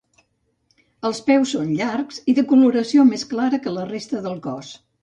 Els peus són llargs, i de coloració més clara que la resta del cos.